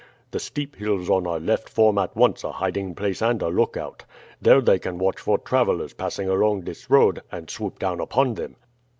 The steep hills on our left form at once a hiding place and a lookout. There they can watch for travelers passing along this road, and swoop down upon them."